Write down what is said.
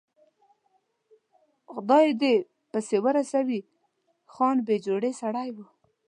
خدای یې دې پسې ورسوي، خان بې جوړې سړی و.